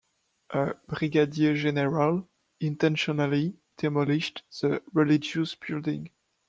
A brigadier general intentionally demolished the religious building.